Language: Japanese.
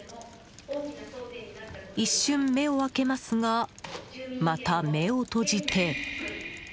一瞬目を開けますがまた目を閉じて。